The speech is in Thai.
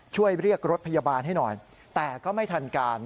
ช่วยเรียกรถพยาบาลให้หน่อยแต่ก็ไม่ทันการ